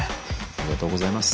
ありがとうございます。